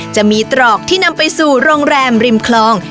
จะมีตรอกที่นำไปสู่โรงแรมริมคลอง